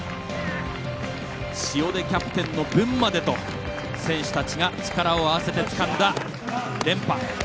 塩出キャプテンの分までと選手たちが力を合わせてつかんだ連覇。